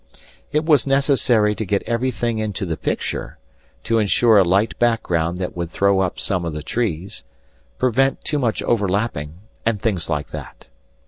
It was necessary to get everything into the picture, to ensure a light background that would throw up some of the trees, prevent too much overlapping, and things like that.